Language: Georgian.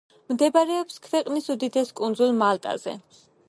მდებარეობს ქვეყნის უდიდეს კუნძულ მალტაზე.